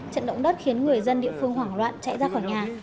trận động đất khiến người dân địa phương hoảng loạn chạy ra khỏi nhà